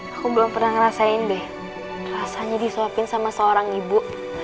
aku belum pernah ngerasain deh rasanya disuapin sama seorang ibu